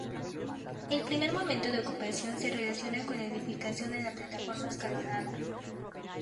El primer momento de ocupación se relaciona con la edificación de la plataforma escalonada.